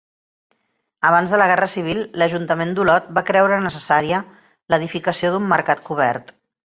Abans de la Guerra Civil, l'ajuntament d'Olot va creure necessària l'edificació d'un mercat cobert.